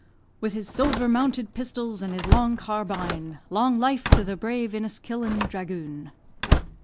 "With his silver mounted pistols, and his long carbine, Long life to the brave Inniskillen dragoon."